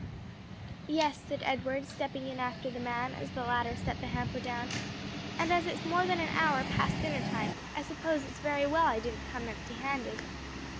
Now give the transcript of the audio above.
"Yes," said Edward, stepping in after the man as the latter set the hamper down; "and as it's more than an hour past dinner time, I suppose it's very well I didn't come empty handed."